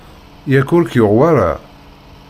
Yak ur k-yuɣ wara?